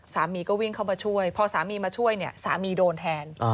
สามีก็วิ่งเข้ามาช่วยพอสามีมาช่วยเนี่ยสามีโดนแทน